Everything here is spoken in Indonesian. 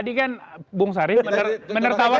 tadi kan bung sarif menertawan